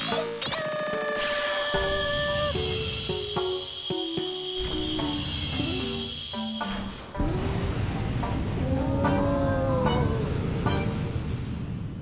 うん。